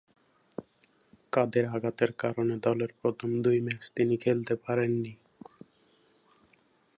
কাঁধের আঘাতের কারণে দলের প্রথম দুই ম্যাচ তিনি খেলতে পারেননি।